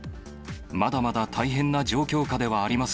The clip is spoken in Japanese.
まだまだ大変な状況下ではありま